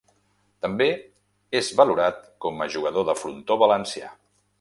També és valorat com a jugador de frontó valencià.